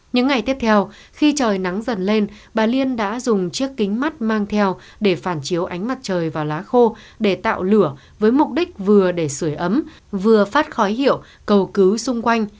những ngày tiếp theo khi trời nắng dần lên bà liên đã dùng chiếc kính mắt mang theo để phản chiếu ánh mặt trời và lá khô để tạo lửa với mục đích vừa để sửa ấm vừa phát khói hiệu cầu cứu xung quanh